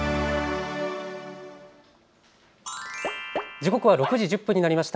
時刻は６時１０分になりました。